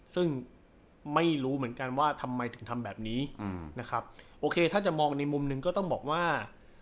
ซึ่งไม่รู้เหมือนกันว่าทำไมถึงทำแบบนี้นะครับโอเคถ้าจะมองในมุมหนึ่งก็ต้องบอกว่า